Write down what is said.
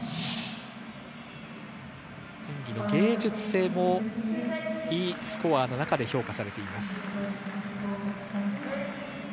演技の芸術性もＥスコアの中で評価されています。